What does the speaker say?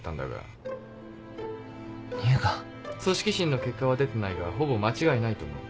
組織診の結果は出てないがほぼ間違いないと思う。